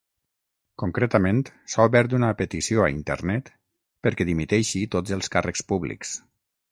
Concretament s’ha obert una petició a internet perquè dimiteixi tots els càrrecs públics.